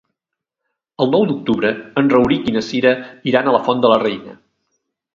El nou d'octubre en Rauric i na Cira iran a la Font de la Reina.